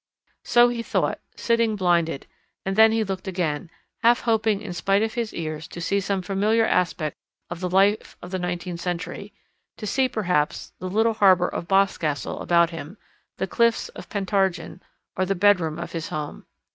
So he thought, sitting blinded, and then he looked again, half hoping in spite of his ears to see some familiar aspect of the life of the nineteenth century, to see, perhaps, the little harbour of Boscastle about him, the cliffs of Pentargen, or the bedroom of his home.